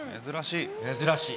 珍しい。